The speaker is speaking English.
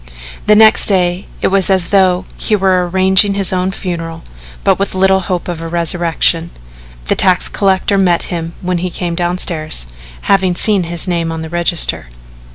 The next day it was as though he were arranging his own funeral, with but little hope of a resurrection. The tax collector met him when he came downstairs having seen his name on the register.